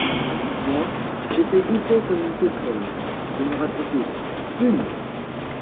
Moi, j’étais épais comme une sauterelle, pour me rattraper, fume !